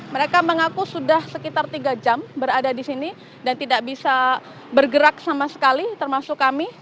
mereka mengaku sudah sekitar tiga jam berada di sini dan tidak bisa bergerak sama sekali termasuk kami